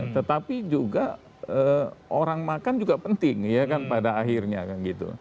tetapi juga orang makan juga penting ya kan pada akhirnya kan gitu